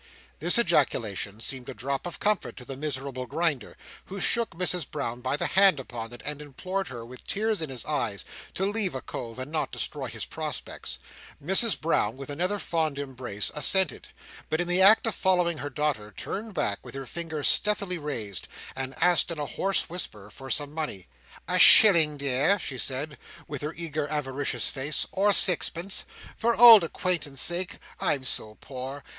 This ejaculation seemed a drop of comfort to the miserable Grinder, who shook Mrs Brown by the hand upon it, and implored her with tears in his eyes, to leave a cove and not destroy his prospects. Mrs Brown, with another fond embrace, assented; but in the act of following her daughter, turned back, with her finger stealthily raised, and asked in a hoarse whisper for some money. "A shilling, dear!" she said, with her eager avaricious face, "or sixpence! For old acquaintance sake. I'm so poor.